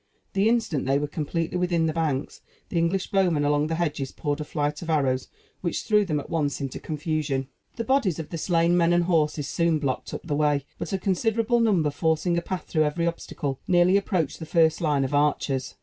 The instant they were completely within the banks, the English bowmen along the hedges poured a flight of arrows, which threw them at once into confusion. The bodies of the slain men and horses soon blocked up the way; but a considerable number, forcing a path through every obstacle, nearly approached the first line of archers.